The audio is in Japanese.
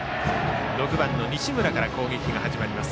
６番の西村から攻撃が始まります